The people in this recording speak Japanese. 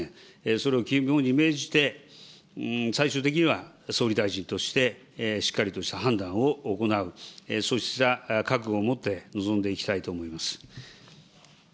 それを肝に銘じて、最終的には、総理大臣としてしっかりとした判断を行う、そうした覚悟を持って臨んでいきたい思います。